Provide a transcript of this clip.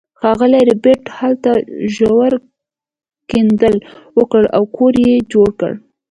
ښاغلي ربیټ هلته ژور کیندل وکړل او کور یې جوړ کړ